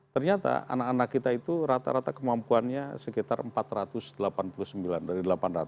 ternyata anak anak kita itu rata rata kemampuannya sekitar empat ratus delapan puluh sembilan dari delapan ratus